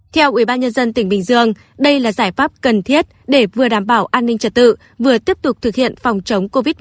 theo ubnd tỉnh bình dương đây là giải pháp cần thiết để vừa đảm bảo an ninh trật tự vừa tiếp tục thực hiện phòng chống covid một mươi chín